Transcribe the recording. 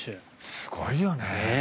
すごいよね。